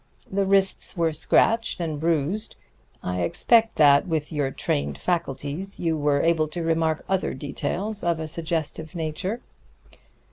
The wrists were scratched and bruised. I expect that, with your trained faculties, you were able to remark other details of a suggestive nature."